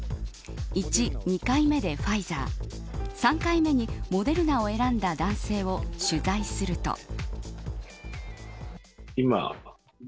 １、２回目でファイザー３回目にモデルナを選んだ男性を取材すると。